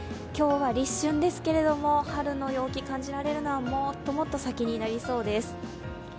今日は立春ですけれども春の陽気、感じられるのはもっともっと先になりそうです。